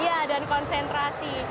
iya dan konsentrasi